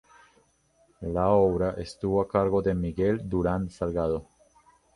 La obra estuvo a cargo de Miguel Durán Salgado.